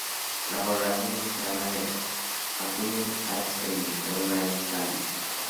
La población de Zahara de los Atunes no ha experimentado grandes cambios.